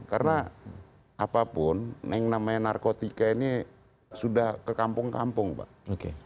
karena apapun yang namanya narkotika ini sudah ke kampung kampung pak